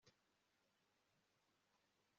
icyo mama ashaka kumbwira Ntibyatinze nahise mfata